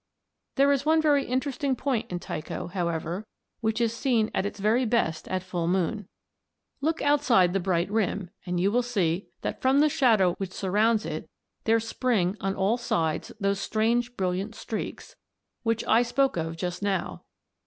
"There is one very interesting point in Tycho, however, which is seen at its very best at full moon. Look outside the bright rim and you will see that from the shadow which surrounds it there spring on all sides those strange brilliant streaks (see Fig. 3_a_) which I spoke of just now.